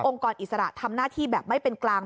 กรอิสระทำหน้าที่แบบไม่เป็นกลาง